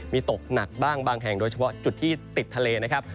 มีตกหนักบ้างบางแห่งโดยเฉพาะจุดที่ติดทะเลนะครับ